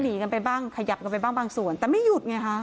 หนีกันไปบ้างขยับกันไปบ้างบางส่วนแต่ไม่หยุดไงฮะ